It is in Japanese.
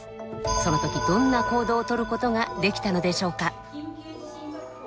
その時どんな行動をとることができたのでしょうか？